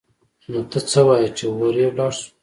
نو ته څه وايي چې هورې ولاړ سو؟